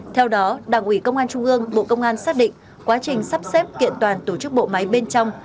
theo đó đảng ủy công an trung ương bộ công an xác định quá trình sắp xếp kiện toàn tổ chức bộ máy bên trong